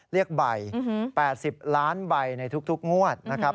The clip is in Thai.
เรียกใบ๘๐ล้านใบในทุกงวดนะครับ